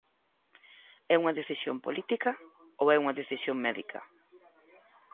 ¿É unha decisión política ou é unha decisión médica?